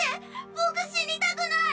ボク死にたくない！